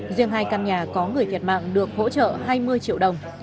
riêng hai căn nhà có người thiệt mạng được hỗ trợ hai mươi triệu đồng